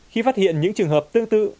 khi phát hiện những trường hợp tương tự